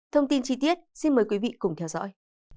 thông tin chi tiết xin mời quý vị cùng theo dõi